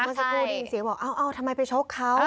เมื่อสักครู่ได้ยินเสียบอกทำไมไปชกเขา